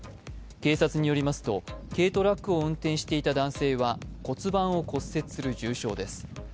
警察によりますと、軽トラックを運転していた男性は骨盤を骨折する重傷です。